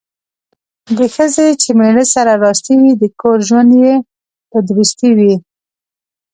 د ښځې چې میړه سره راستي وي، د کور ژوند یې په درستي وي.